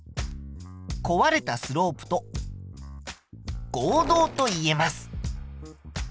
壊れたスロープと合同と言えます。